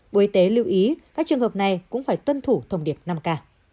bộ y tế lưu ý các trường hợp này cũng phải tuân thủ thông điệp năm k